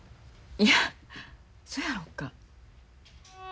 いやそやろか。